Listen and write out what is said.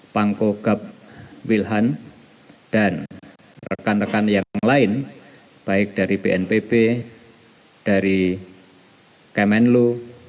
pangko gap wilhan dan rekan rekan yang lain baik dari bnpb dari kemenlu